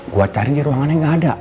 gue cari di ruangannya gak ada